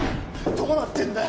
どうなってんだよ